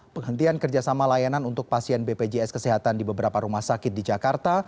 penghentian kerjasama layanan untuk pasien bpjs kesehatan di beberapa rumah sakit di jakarta